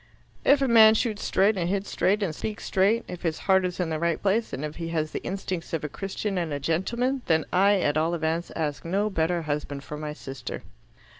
"If a man shoots straight and hits straight and speaks straight, if his heart is in the right place, if he has the instincts of a Christian and a gentleman then I, at all events, ask no better husband for my sister."